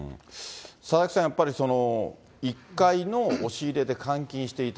佐々木さん、やっぱり１階の押し入れで監禁していた。